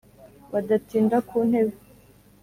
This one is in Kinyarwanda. badatinda ku ntebe